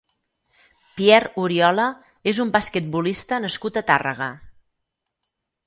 Pierre Oriola és un basquetbolista nascut a Tàrrega.